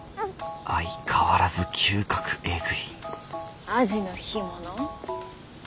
相変わらず嗅覚エグいアジの干物？